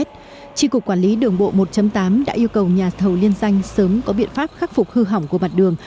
tri cục quản lý đường bộ một tám đã yêu cầu nhà thầu liên danh sớm có biện pháp khắc phục hư hỏng của mặt đường